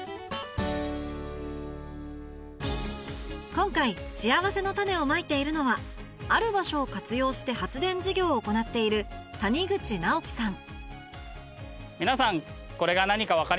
今回しあわせのたねをまいているのはある場所を活用して発電事業を行っている谷口直樹さん